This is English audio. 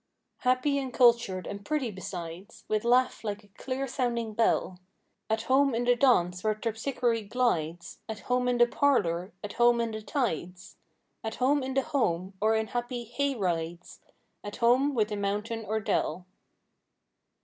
Happy and cultured and pretty besides With laugh like a clear sounding bell. At home in the dance where Terpsichore glides; At home in the parlor; at home in the tides; At home in the home or in happy "hay rides;" At home with the mountain or dell.